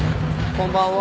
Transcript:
こんばんは。